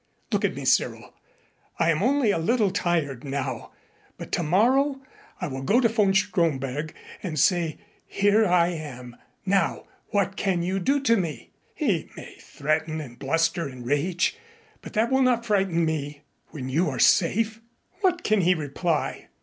Look at me, Cyril. I am only a little tired now but tomorrow I will go to von Stromberg and say, 'Here I am now what can you do to me?' He may threaten and bluster and rage, but that will not frighten me when you are safe. What can he reply?